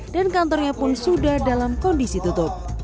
dan kantornya pun sudah dalam kondisi tutup